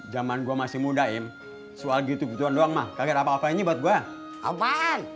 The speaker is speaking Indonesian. zaman gue masih muda ya soal gitu gituan doang mah kaget apa apa ini buat gue apaan